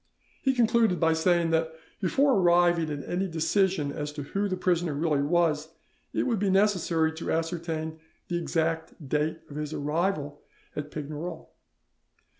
He concluded by saying that before arriving at any decision as to who the prisoner really was, it would be necessary to ascertain the exact date of his arrival at Pignerol.